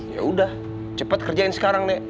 ya udah cepat kerjain sekarang nih